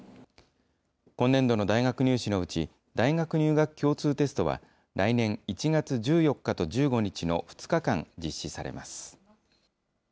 今年度の大学入試のうち、大学入学共通テストは、来年１月１４日と１５日の２日間、実施されます。